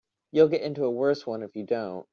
You'll get into a worse one if you don't.